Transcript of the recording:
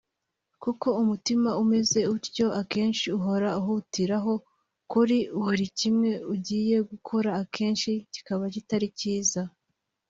kuko umutima umeze utyo akenshi uhora uhutiraho kuri buri kimwe ugiye gukora akenshi kiba kitari cyiza